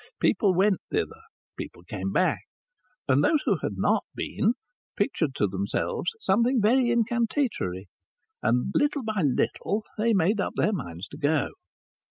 People went thither; people came back; and those who had not been pictured to themselves something very incantatory, and little by little they made up their minds to go.